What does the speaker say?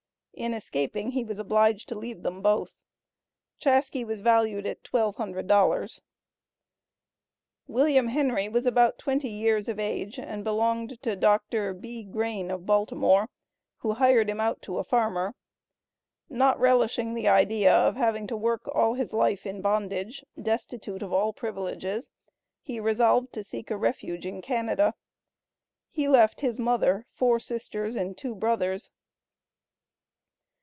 In escaping, he was obliged to leave them both. Chaskey was valued at $1200. William Henry was about 20 years of age, and belonged to Doctor B. Grain, of Baltimore, who hired him out to a farmer. Not relishing the idea of having to work all his life in bondage, destitute of all privileges, he resolved to seek a refuge in Canada. He left his mother, four sisters and two brothers.